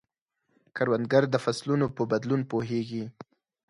کروندګر د فصلونو په بدلون پوهیږي